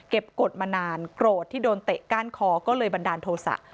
กฎมานานโกรธที่โดนเตะก้านคอก็เลยบันดาลโทษะ